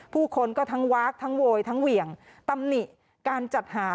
ผู้คนก็ทั้งวาคทั้งโวยทั้งเหวี่ยงตำหนิการจัดหา